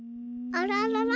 あららら？